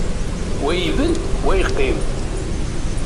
Wa ibedd, wa yeqqim.